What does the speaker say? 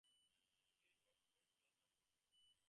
It feeds on fruit and blossoms.